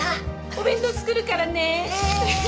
お弁当作るからね